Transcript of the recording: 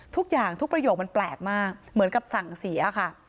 ทุกอย่างทุกประโยคมันแปลกมากเหมือนกับสั่งเสียค่ะ